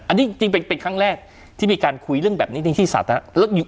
อันนี้จริงเป็นครั้งแรกที่มีการคุยเรื่องแบบนี้ในที่สัตว์นะครับ